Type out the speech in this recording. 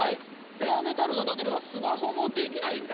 レアメタルがなければスマホもできないんだ。